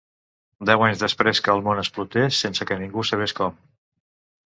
Deu anys després que el món explotés, sense que ningú sabés com.